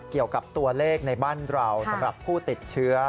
เกี่ยวกับตัวเลขในบ้านเราสำหรับผู้ติดเชื้อ